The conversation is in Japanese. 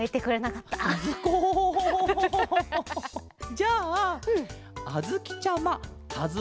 じゃああづきちゃまかず